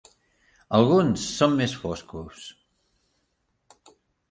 Alguns són més foscos.